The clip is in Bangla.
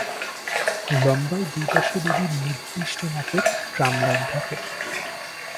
লম্বায় দুই পাশে দুইটি নির্দিষ্ট মাপের ট্রাম লাইন থাকে।